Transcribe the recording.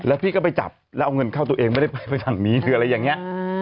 แล้วพี่ก็ไปจับแล้วเอาเงินเข้าตัวเองไม่ได้ไปไปทางนี้หรืออะไรอย่างนี้